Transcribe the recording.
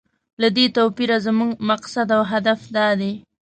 له دې توپیره زموږ مقصد او هدف دا دی.